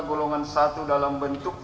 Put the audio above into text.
golongan satu dalam bentuk